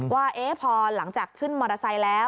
ว่าพอหลังจากขึ้นมอเตอร์ไซค์แล้ว